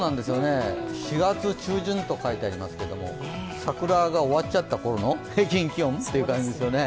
４月中旬と書いてありますけど桜が終わっちゃったころの平均気温って感じですよね。